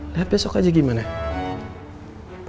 lihat besok aja gimana